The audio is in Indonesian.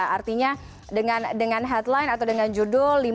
artinya dengan headline atau dengan judul